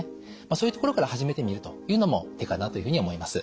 そういうところから始めてみるというのも手かなというふうに思います。